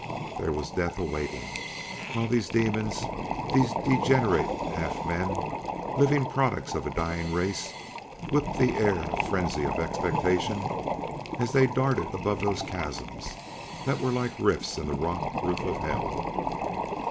There death was waiting, while these demons these degenerate half men, living products of a dying race whipped the air in a frenzy of expectation as they darted above those chasms that were like rifts in the rock roof of hell.